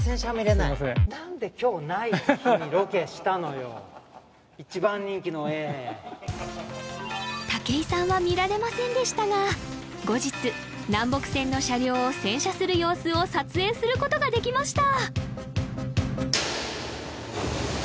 すいません一番人気の画武井さんは見られませんでしたが後日南北線の車両を洗車する様子を撮影することができました！